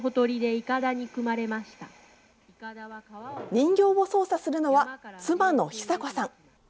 人形を操作するのは、妻の久子さん。